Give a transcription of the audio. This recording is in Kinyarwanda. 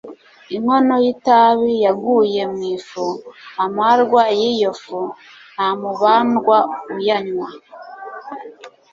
Inkono y’itabi yaguye mu ifu, amarwa y’iyo fu, nta mubandwa uyanywa